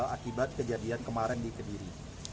akibat kejadian kemarin di kediri